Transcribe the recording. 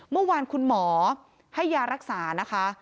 เมื่อวานคุณหมอให้ยารักษานะคะ